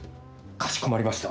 かしこまりました。